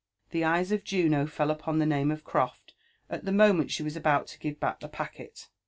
The eyes of Juno fell upon the name of Croft at the moment she was about to give back the packet.